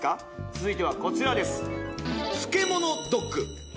続いてはこちらです